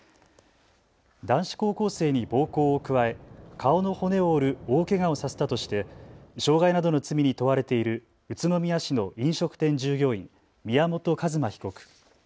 男子高校生に暴行を加え顔の骨を折る大けがをさせたとして傷害などの罪に問われている宇都宮市の飲食店従業員、宮本一馬被告。